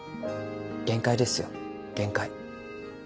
限界ですよ限界。